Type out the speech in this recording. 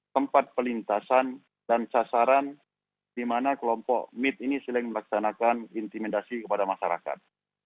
tempat pelintasan dan sasaran di mana kelompok mit ini sering melaksanakan intimidasi kepada masyarakat